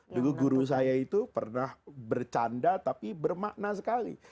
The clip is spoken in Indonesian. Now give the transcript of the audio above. dulu guru saya itu pernah bercanda tapi bermakna sekali